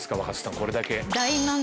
これだけ。